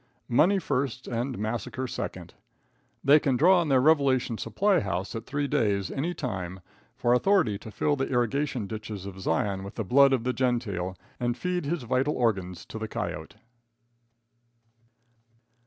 Money first and massacre second. They can draw on their revelation supply house at three days, any time, for authority to fill the irrigation ditches of Zion with the blood of the Gentile and feed his vital organs to the coyote.